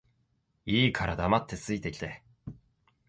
いいから黙って着いて来て